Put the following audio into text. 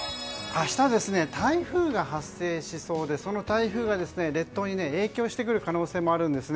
明日は台風が発生しそうでその台風が列島に影響してくる可能性もあるんです。